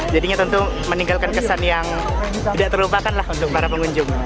jadinya tentu meninggalkan kesan yang tidak terlupakan lah untuk para pengunjung